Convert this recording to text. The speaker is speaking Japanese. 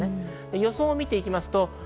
予想を見てきます。